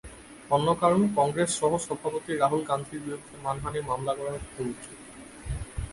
অন্য কারণ, কংগ্রেস সহসভাপতি রাহুল গান্ধীর বিরুদ্ধে মানহানির মামলা করার হুমকি।